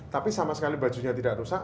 tapi sama sekali bajunya tidak rusak